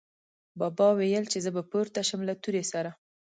بابا ویل، چې زه به پورته شم له تورې سره